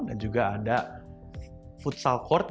dan juga ada futsal court